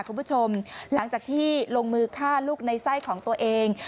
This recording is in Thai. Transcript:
คุณผู้ชมหลังจากที่ลงมือฆ่าลูกในไส้ของตัวเอง